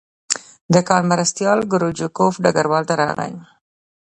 د کان مرستیال کروچکوف ډګروال ته راغی